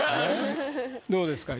どうですか？